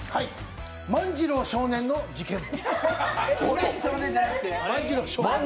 「万次郎少年の事件簿」。